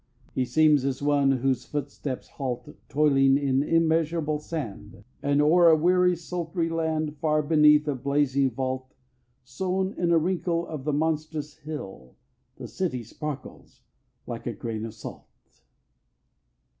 He seems as one whose footsteps halt, Toiling in immeasurable sand, And o'er a weary sultry land, Far beneath a blazing vault, Sown in a wrinkle of the monstrous hill, The city sparkles like a grain of salt.